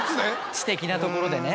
知的なところでね。